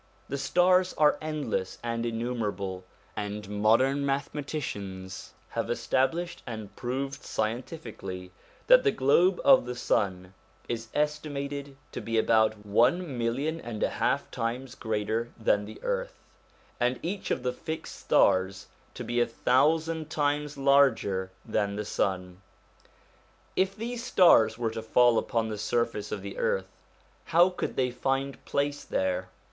The stars are endless and innumerable, and modern mathematicians have estab lished and proved scientifically that the globe of the sun is estimated to be about one million and a half times greater than the earth, and each of the fixed stars to be a thousand times larger than the sun. If these stars were to fall upon the surface of the earth, how could they find place there